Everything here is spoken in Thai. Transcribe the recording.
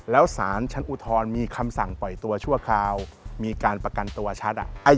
แล้วสารชั้นอุทธรณ์มีคำสั่งปล่อยตัวชั่วคราวมีการประกันตัวชัด